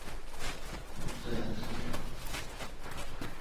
Shavkat Mirziyoyevni Qirg‘iziston bosh vaziri kutib oldi